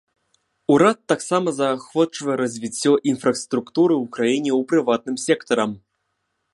Урад таксама заахвочвае развіццё інфраструктуры ў краіне ў прыватным сектарам.